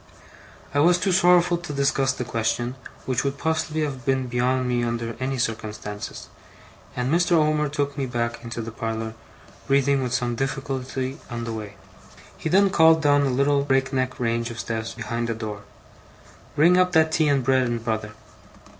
I was too sorrowful to discuss the question, which would possibly have been beyond me under any circumstances; and Mr. Omer took me back into the parlour, breathing with some difficulty on the way. He then called down a little break neck range of steps behind a door: 'Bring up that tea and bread and butter!